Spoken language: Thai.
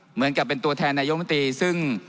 เหมือนกับเป็นตัวแทนนายมนตรีซึ่ง